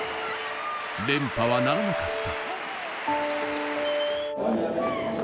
連覇はならなかった。